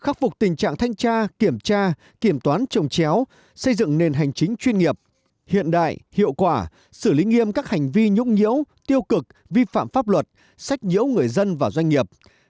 khắc phục tình trạng thanh tra kiểm tra kiểm toán trồng chéo xây dựng nền hành chính chuyên nghiệp hiện đại hiệu quả xử lý nghiêm các hành vi nhũng nhiễu tiêu cực vi phạm pháp luật sách nhiễu người dân và doanh nghiệp